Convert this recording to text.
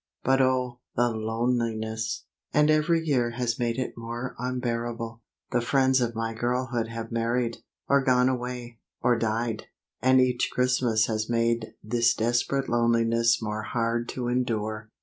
But oh, the loneliness! And every year has made it more unbearable. The friends of my girlhood have married, or gone away, or died, and each Christmas has made this desperate loneliness more hard to endure.